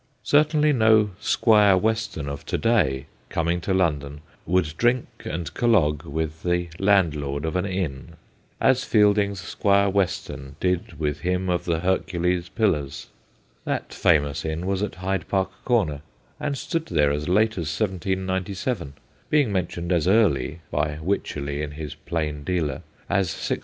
Certainly no Squire Western of to day, coming to London, would drink and collogue with the landlord of an inn, as Fielding's Squire Western did with him of 'The Hercules Pillars/ That WINSTANLEY'S 267 famous inn was at Hyde Park Corner, and stood there as late as 1797, being mentioned as early (by Wycherley, in his Plain Dealer) as 1676.